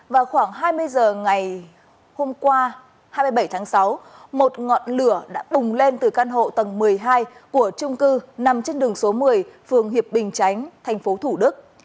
vào khoảng hai mươi h ngày hôm qua hai mươi bảy tháng sáu một ngọn lửa đã bùng lên từ căn hộ tầng một mươi hai của trung cư nằm trên đường số một mươi phường hiệp bình chánh tp thủ đức